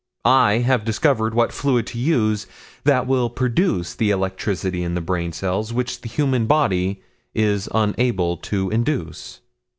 I have discovered what fluid to use that will produce the electricity in the brain cells which the human body is unable to induce."